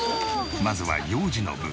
まずは幼児の部